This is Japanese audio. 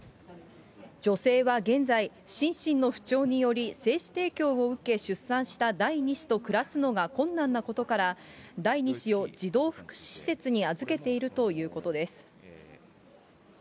女性は現在、心身の不調により精子提供を受け出産した第２子と暮らすのが困難なことから、第２子を児童福祉施設に預けているということです。